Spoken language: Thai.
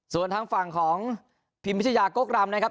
ส่วนทางฝั่งของพิมพิชยากกรำนะครับ